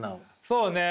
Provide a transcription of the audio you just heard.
そうね。